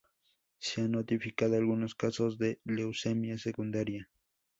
Se han notificado algunos casos de leucemia secundaria.